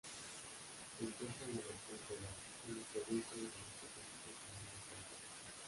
Se encuentra en la región Callao, en la provincia de Provincia Constitucional del Callao.